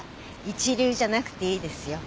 一流じゃなくていいですよ。